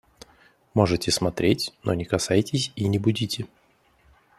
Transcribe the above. Можете смотреть, но не касайтесь и не будите.